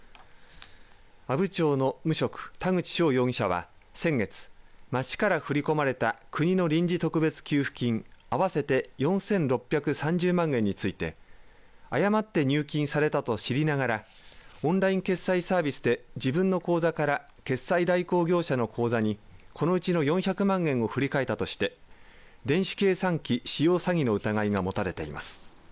阿武町の無職田口翔容疑者は先月、町から振り込まれた国の臨時特別給付金、合わせて４６３０万円について誤って入金されたと知りながらオンライン決済サービスで自分の口座から決済代行業者の口座にこのうちの４００万円を振り替えたとして電子計算機使用詐欺の疑いが持たれています。